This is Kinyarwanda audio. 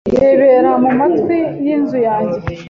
Yibera mumatwi yinzu yanjye.